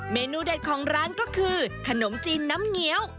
เมนูเด็ดของร้านก็คือขนมจีนน้ำเงี้ยว